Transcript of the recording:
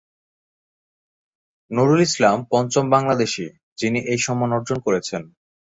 নুরুল ইসলাম পঞ্চম বাংলাদেশী যিনি এই সম্মান অর্জন করেছেন।